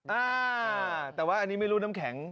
อ่าแต่ว่าอันนี้ไม่รู้น้ำแข็ง